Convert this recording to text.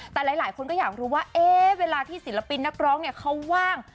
แต่หลายคนก็อยากรู้ว่าเวลาที่ศิลปินนักร้องเนี่ยเขาว่าง